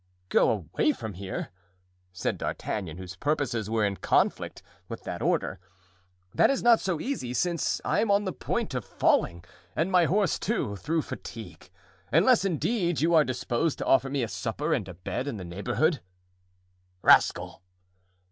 "Go away from here!" said D'Artagnan, whose purposes were in conflict with that order, "that is not so easy, since I am on the point of falling, and my horse, too, through fatigue; unless, indeed, you are disposed to offer me a supper and a bed in the neighborhood." "Rascal!"